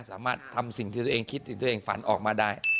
สามารถทำสิ่งที่ตัวเองคิดถึงตัวเองฝันออกมาได้